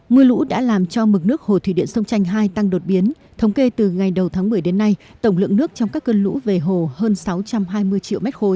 mưa lũ đã làm cho mực nước hồ thủy điện sông tranh hai tăng đột biến thống kê từ ngày đầu tháng một mươi đến nay tổng lượng nước trong các cơn lũ về hồ hơn sáu trăm hai mươi triệu m ba